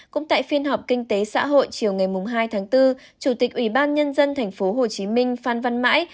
cũng tại phiên họp kinh tế xã hội chiều ngày hai tháng bốn chủ tịch ủy ban nhân dân tp hcm phan văn mãi